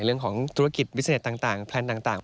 เรื่องของธุรกิจวิเศษต่างแพลนต่าง